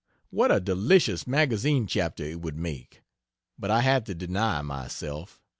What a delicious magazine chapter it would make but I had to deny myself.